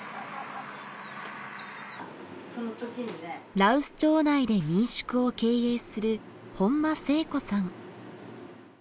羅臼町内で民宿を経営する本間正子さん。